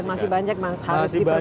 dan masih banyak yang harus diperbaiki